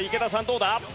どうだ？